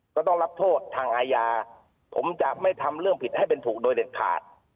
ก็ต้องรับโทษทางอาญาผมจะไม่ทำเรื่องผิดให้เป็นถูกโดยเด็ดขาด